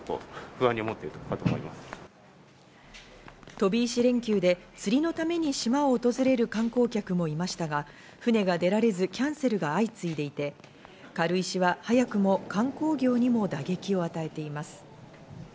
飛び石連休で釣りのために島を訪れる観光客もいましたが、船が出られずキャンセルが相次いでいて、軽石は早くも観光業にも打撃を与えています。